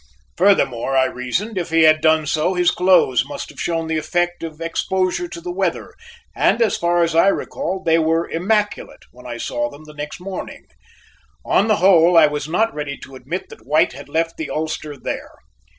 Furthermore, I reasoned, if he had done so his clothes must have shown the effect of exposure to the weather and as far as I recalled, they were immaculate when I saw him the following morning. On the whole I was not ready to admit that White had left the ulster there.